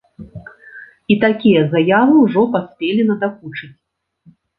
І такія заявы ўжо паспелі надакучыць.